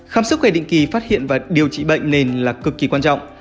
khám sức khỏe định kỳ phát hiện và điều trị bệnh nền là cực kỳ quan trọng